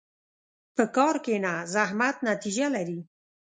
په کار کښېنه، زحمت نتیجه لري.